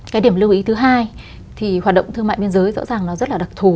cái điểm lưu ý thứ hai thì hoạt động thương mại biên giới rõ ràng nó rất là đặc thù